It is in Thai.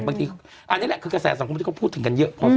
บางทีอันนี้แหละคือกระแสสังคมที่เขาพูดถึงกันเยอะพอ